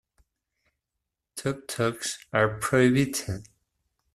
Tuk-tuks are prohibited.